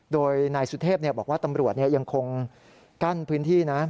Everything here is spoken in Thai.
โดยนายสุเทพบอกว่าตำรวจยังคงกั้นพื้นที่นะ